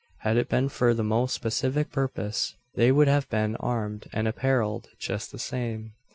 Had it been for the most pacific purpose, they would have been armed and apparelled just the same.